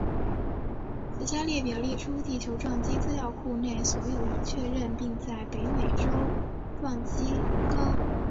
以下列表列出地球撞击资料库内所有已确认并在北美洲的撞击坑。